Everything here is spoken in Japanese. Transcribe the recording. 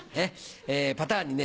パターンにね